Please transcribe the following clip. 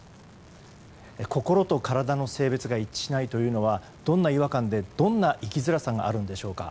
心と体の性別が一致しないというのはどんな違和感でどんな生きづらさがあるのでしょうか。